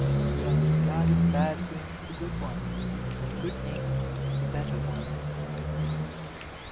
We are discarding bad things for good ones, and good things for better ones.